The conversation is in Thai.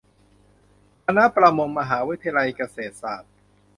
คณะประมง มหาวิทยาลัยเกษตรศาสตร์